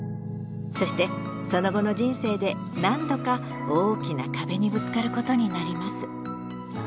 そしてその後の人生で何度か大きな壁にぶつかることになります。